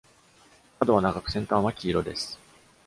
角は長く、先端は黄色です。